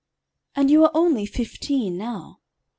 "And you are only fifteen now?"